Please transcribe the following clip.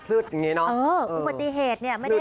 อุปฏิเกตเนี่ยไม่ได้